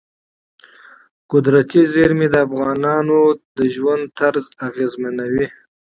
طبیعي زیرمې د افغانانو د ژوند طرز اغېزمنوي.